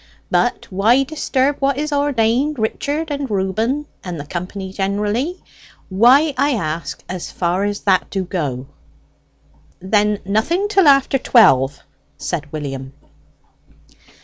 But why disturb what is ordained, Richard and Reuben, and the company zhinerally? Why, I ask, as far as that do go?" "Then nothing till after twelve," said William.